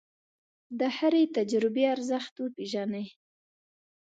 د هرې تجربې ارزښت وپېژنئ.